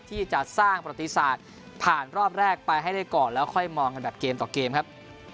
ที่จะสร้างประติศาสตร์ผ่านรอบแรกไปให้ได้ก่อนแล้วค่อยมองกันแบบเกมต่อเกมครับ